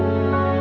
terima kasih bu